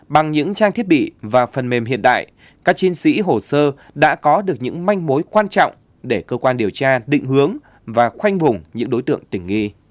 bằng những trang thiết bị và phần mềm hiện đại các chiến sĩ hồ sơ đã có được những manh mối quan trọng để cơ quan điều tra định hướng và khoanh vùng những đối tượng tình nghi